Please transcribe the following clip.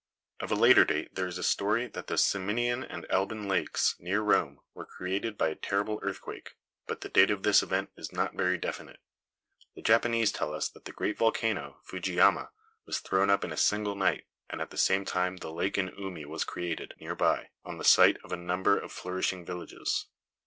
Of a later date, there is the story that the Ciminian and Alban lakes near Rome were created by a terrible earthquake; but the date of this event is not very definite. The Japanese tell us that the great volcano, Fujiyama, was thrown up in a single night, and at the same time the lake in Oomi was created, near by, on the site of a number of flourishing villages.